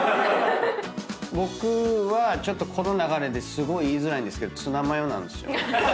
僕はちょっとこの流れですごい言いづらいんですけどツナマヨなんですよ。